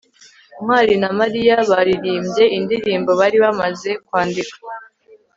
ntwali na mariya baririmbye indirimbo bari bamaze kwandika